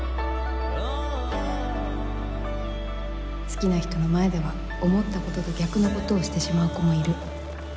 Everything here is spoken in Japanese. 好きな人の前では思った事と逆の事をしてしまう子もいる。